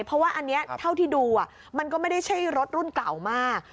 เพราะว่าอันนี้เท่าที่ดูมันก็ไม่ได้ใช่รถรุ่นเก่ามาก